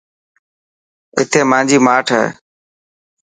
اٿي مانجي ماٺ هي.